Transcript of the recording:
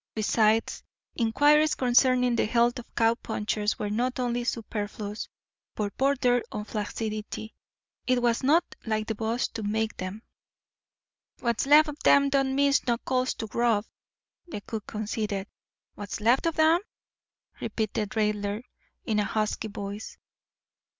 Besides, inquiries concerning the health of cow punchers were not only superfluous, but bordered on flaccidity. It was not like the boss to make them. "What's left of 'em don't miss no calls to grub," the cook conceded. "What's left of 'em?" repeated Raidler in a husky voice.